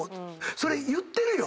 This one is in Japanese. それ言ってるよ。